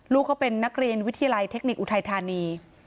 ลูกเขาเป็นนักเรียนวิทยาลัยเทคนิคอุทัยธานี